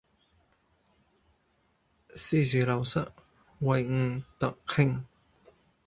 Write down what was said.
斯是陋室，惟吾德馨